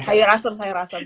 sayur asem sayur asem